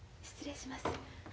失礼します。